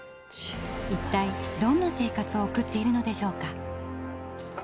一体どんな生活を送っているのでしょうか？